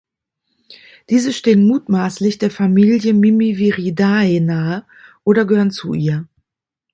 Diese stehen mutmaßlich der Familie "Mimiviridae" nahe oder gehören zu ihr.